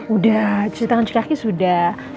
udah cuci tangan cuci kaki sudah